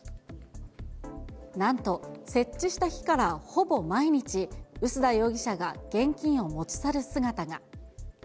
なんと、設置した日からほぼ毎日、臼田容疑者が現金を持ち去る姿が。